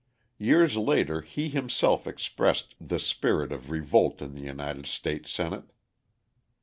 Years later he himself expressed the spirit of revolt in the United States Senate.